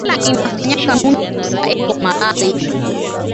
Njala inafanyaka muntu sa eko malali